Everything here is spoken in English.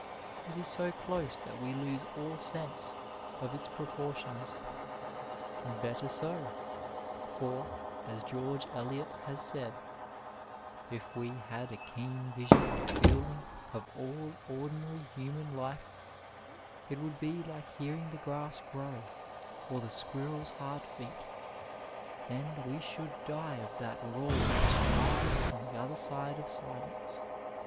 It is so dose that we lose all sense of its proportions. And better so ; for, as G^rge Eliot has said, *' if we had a keen vision and feeling of all ordinary human life, it would be like hearing the grass grow, or the squirrel's heart beat, and we should die of that roar which lies on the other side of silence."